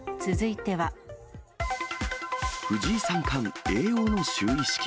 藤井三冠、叡王の就位式。